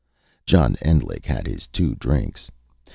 John Endlich had his two drinks.